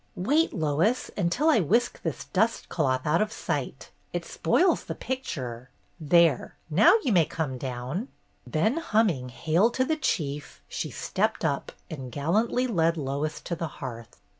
"Wait, Lois, until I whisk this dust cloth out of sight. It spoils the picture. There, now you may come down!" Then humming "Hail to the Chief!" she stepped up and gallantly led Lois to the hearth.